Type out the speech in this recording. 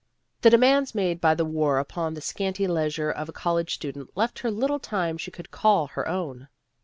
The demands made by the war upon the scanty leisure of a college student left her little time she could call her own.